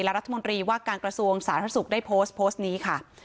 รัฐมนตรีว่าการกระทรวงสาธารณสุขได้โพสต์โพสต์นี้ค่ะ